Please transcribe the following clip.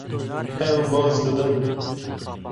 Ew baz didin.